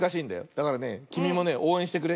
だからねきみもねおうえんしてくれ。